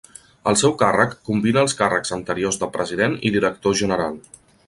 El seu càrrec combina els càrrecs anteriors de president i director general.